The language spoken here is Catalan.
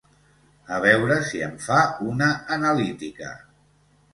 A veure si em fa una analítica.